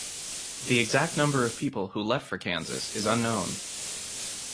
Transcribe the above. The exact number of people who left for Kansas is unknown.